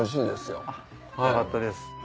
よかったです。